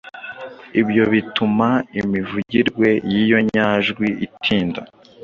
Ibyo bituma imivugirwe y’iyo nyajwi itinda